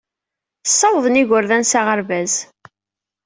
Ssawaḍen igerdan s aɣerbaz.